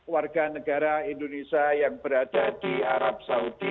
warga negara indonesia yang berada di arab saudi